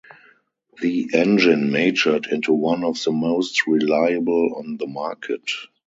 The engine matured into one of the most reliable on the market.